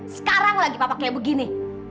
sekarang lagi papa kayak begini